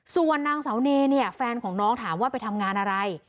ส่วนนางเสาเนเนี่ยแฟนของน้องถามว่าไปทำงานอะไร